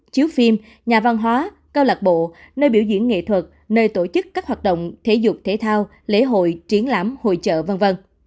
chiếu phim nhà văn hóa câu lạc bộ nơi biểu diễn nghệ thuật nơi tổ chức các hoạt động thể dục thể thao lễ hội triển lãm hội trợ v v